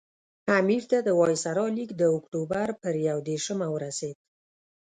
امیر ته د وایسرا لیک د اکټوبر پر یو دېرشمه ورسېد.